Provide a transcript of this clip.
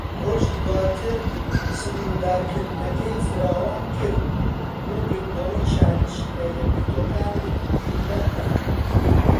ڕۆژی دواتر، سنوردارکردنەکەی فراوانکرد بۆ گرتنەوەی شانشینە یەکگرتووەکان و ئیرلەندا.